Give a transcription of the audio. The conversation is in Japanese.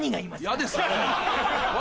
嫌ですね。